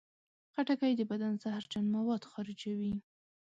خټکی د بدن زهرجن مواد خارجوي.